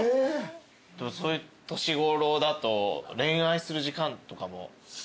そういう年頃だと恋愛する時間とかもない。